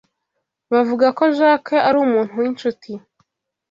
Bavuga ko Jack ari umuntu winshuti.